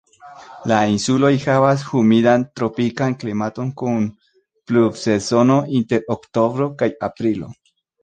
La insuloj havas humidan tropikan klimaton kun pluvsezono inter oktobro kaj aprilo.